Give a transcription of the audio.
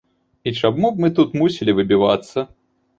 І чаму б мы тут мусілі выбівацца?